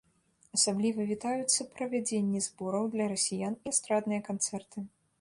Асабліва вітаюцца правядзенні збораў для расіян і эстрадныя канцэрты.